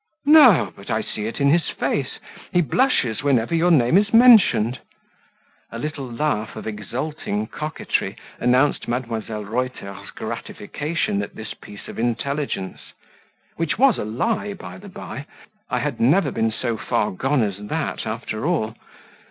"No but I see it in his face: he blushes whenever your name is mentioned." A little laugh of exulting coquetry announced Mdlle. Reuter's gratification at this piece of intelligence (which was a lie, by the by I had never been so far gone as that, after all).